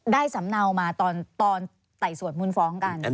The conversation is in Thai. สำเนามาตอนไต่สวดมูลฟ้องกัน